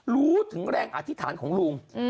รู้ถึงแรงอธิษฐานของลุง